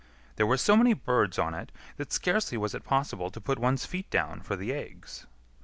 There were so many birds on it that scarcely was it possible to put one's feet down for the eggs.